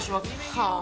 はあ？